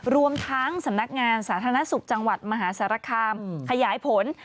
รวมทั้งสำนักงานสาธารณสุขจังหวัดมหาสารคามขยายผล